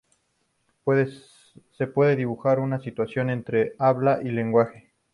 Se puede dibujar una distinción entre habla y lenguaje.